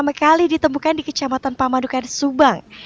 ini baru pertama kali ditemukan di kecamatan pamanukan subang